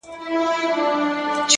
لوړ همت ناامیدي کمزورې کوي.